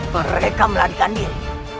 mereka melarikan diri